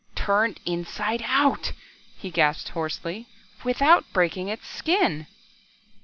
"Turned inside out," he gasped hoarsely, "without breaking its skin!"